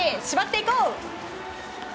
締まっていこう！